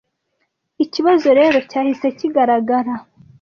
Ikibazo rero cyahise kigaragara.